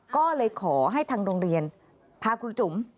ก็เลยขอให้ทางโรงเรียนพาครูจุ๋ม